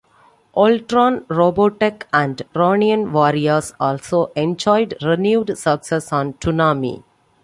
"Voltron", "Robotech" and "Ronin Warriors" also enjoyed renewed success on "Toonami".